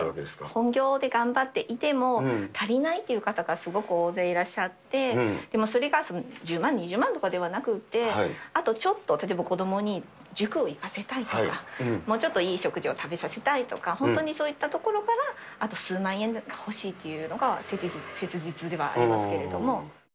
本業で頑張っていても、足りないという方がすごく大勢いらっしゃって、でもそれが１０万、２０万とかではなくって、あとちょっと、例えば子どもに塾を行かせたいとか、もうちょっといい食事を食べさせたいとか、本当にそういったところから、あと数万円欲しいというのが切実ではありますけれども。